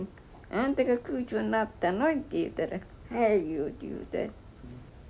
「あんたが級長になったの？」って言うたら「はい」いうて言うて。